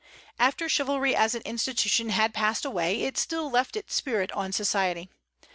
After chivalry as an institution had passed away, it still left its spirit on society.